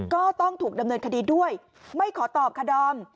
ก็ต้องถูกดำเนินคดีด้วยไม่ขอตอบค่ะดอม